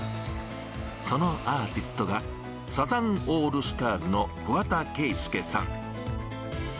そのアーティストが、サザンオールスターズの桑田佳祐さん。